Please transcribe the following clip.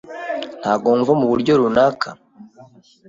Ntabwo wumva muburyo runaka?